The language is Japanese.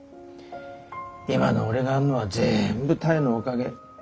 今の俺があるのは全部多江のおかげ。